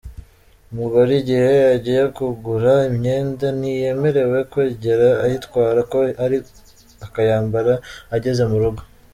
Umugore igihe agiye kugura imyenda ntiyemerewe kwigera ayitwara uko iri akayambara ageze mu rugo.